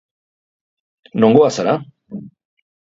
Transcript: Nongoa zara?